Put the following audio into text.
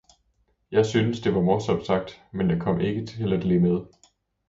Jeg syntes det var morsomt sagt, men jeg kom ikke til at le med.